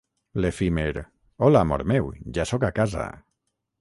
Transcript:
L'efímer "Hola, amor meu, ja soc a casa!".